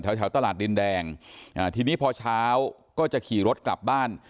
แถวตลาดดินแดงอ่าทีนี้พอเช้าก็จะขี่รถกลับบ้าน